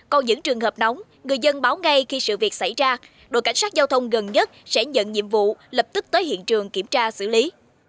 còn những trường hợp nóng người dân báo ngay khi sự việc xảy ra đội cảnh sát giao thông gần nhất sẽ nhận nhiệm vụ lập tức tới hiện trường kiểm tra xử lý